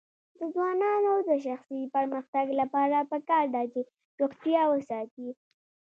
د ځوانانو د شخصي پرمختګ لپاره پکار ده چې روغتیا وساتي.